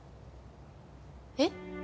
えっ？